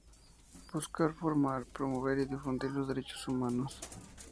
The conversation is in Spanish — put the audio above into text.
Busca formar, promover y difundir los derechos humanos.